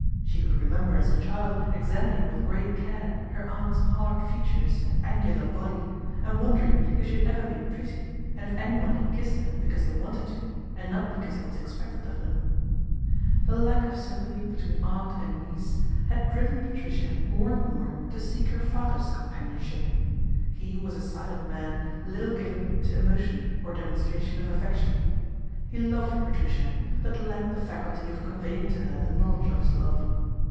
She could remember as a child examining with great care her aunt's hard features and angular body, and wondering if she had ever been pretty, and if anyone had kissed her because they wanted to and not because it was expected of them The lack of sympathy between aunt and niece had driven Patricia more and more to seek her father's companionship. He was a silent man, little given to emotion or demonstration of affec tion. He loved Patricia, but lacked the faculty of conveying to her the knowledge of his love.